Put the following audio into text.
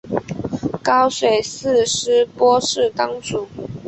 高水寺斯波氏当主。